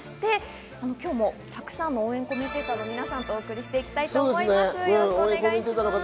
今日もたくさんの応援コメンテーターの皆さんとお送りします。